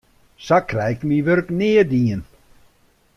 Sa krij ik myn wurk nea dien.